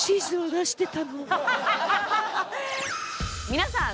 皆さん